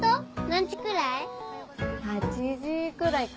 何時くらい？